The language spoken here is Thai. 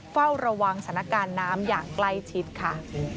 เฝ้าระวังสถานการณ์น้ำอย่างใกล้ชิดค่ะ